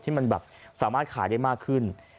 ที่มันแบบสามารถขายได้มากขึ้น